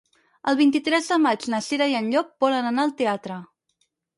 El vint-i-tres de maig na Cira i en Llop volen anar al teatre.